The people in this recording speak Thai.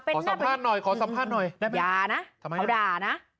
ขอสัมภาษณ์หน่อยขอสัมภาษณ์หน่อยอย่านะเขาด่านะ